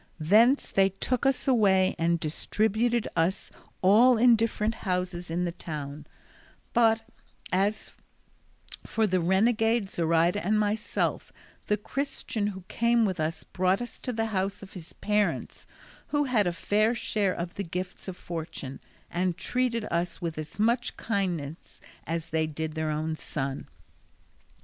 Thence they took us away and distributed us all in different houses in the town; but as for the renegade, Zoraida, and myself, the Christian who came with us brought us to the house of his parents, who had a fair share of the gifts of fortune, and treated us with as much kindness as they did their own son.